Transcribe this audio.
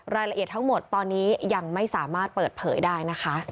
รายละเอียดทั้งหมดตอนนี้ยังไม่สามารถเปิดเผยได้นะคะ